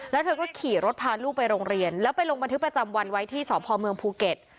แล้วเธอก็ขี่รถพาลูกไปโรงเรียนแล้วไปลงบันทึกประจำวันไว้ที่สพเมืองภูเก็ต